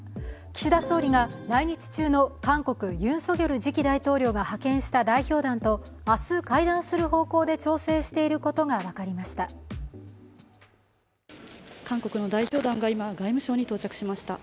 岸田総理が来日中の韓国ユン・ソギョル次期大統領が派遣した代表団と明日、会談する方向で調整していることが分かりました。